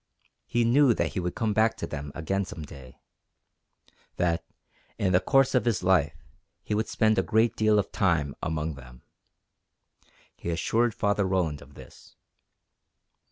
He knew that he would come back to them again some day that, in the course of his life, he would spend a great deal of time among them. He assured Father Roland of this.